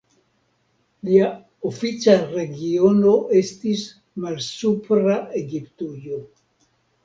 Lia ofica regiono estis Malsupra Egiptujo.